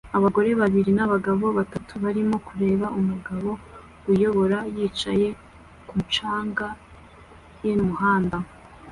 Abagore babiri nabagabo batatu barimo kureba umugabo ayobora yicaye kumu canga ye mumuhanda